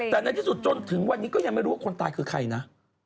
แต่ในที่สุดจนถึงวันนี้ก็ยังไม่รู้ว่าคนตายคือใครนะ